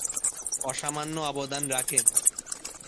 অসামান্য অবদান রাখেন।